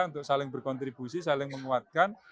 untuk saling berkontribusi saling menguatkan